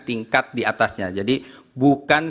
tingkat diatasnya jadi bukan